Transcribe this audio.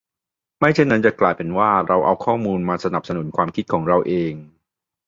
ไม่เช่นนั้นจะกลายเป็นว่าเราเอาข้อมูลมาสนับสนุนความคิดของเราเอง